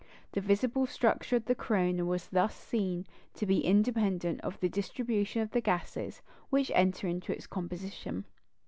The visible structure of the corona was thus seen to be independent of the distribution of the gases which enter into its composition.